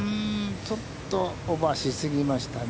ちょっとオーバーし過ぎましたね。